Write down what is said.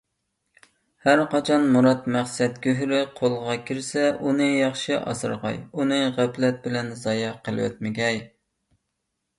ھەرقاچان مۇراد - مەقسەت گۆھىرى قولغا كىرسە، ئۇنى ياخشى ئاسرىغاي، ئۇنى غەپلەت بىلەن زايە قىلىۋەتمىگەي.